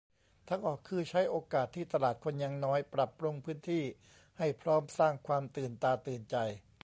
ทางออกคือใช้โอกาสที่ตลาดคนยังน้อยปรับปรุงพื้นที่ ให้พร้อมสร้างความตื่นตาตื่นใจ